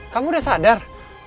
kamu udah sadar